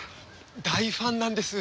大ファンなんです。